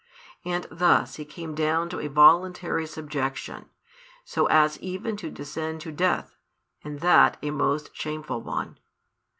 And thus He came down to a voluntary subjection, so as even to descend to death, and that a most shameful one.